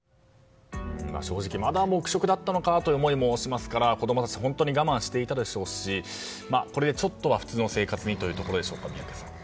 正直、まだ黙食だったのかという思いもしますから子供たち本当に我慢していたでしょうしこれでちょっとは普通の生活にということでしょうか宮家さん。